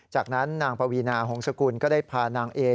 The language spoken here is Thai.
จากนั้นนางปวีนาหงษกุลก็ได้พานางเอ